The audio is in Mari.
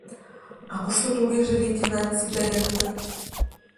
А кушто тугеже лейтенант Сидоренко?